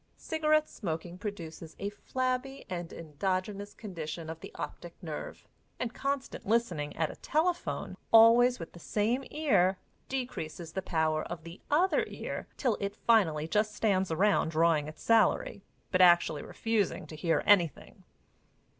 Cigarette smoking produces a flabby and endogenous condition of the optic nerve, and constant listening at a telephone, always with the same ear, decreases the power of the other ear till it finally just stands around drawing its salary, but actually refusing to hear anything.